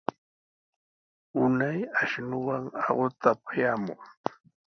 Unay ashnuwan aquta apayamuq.